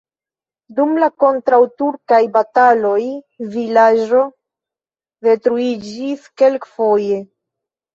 Dum la kontraŭturkaj bataloj la vilaĝo detruiĝis kelkfoje.